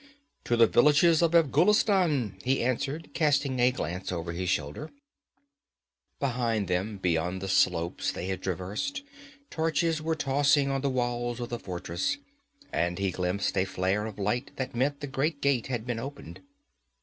'To the villages of Afghulistan,' he answered, casting a glance over his shoulder. Behind them, beyond the slopes they had traversed, torches were tossing on the walls of the fortress, and he glimpsed a flare of light that meant the great gate had been opened.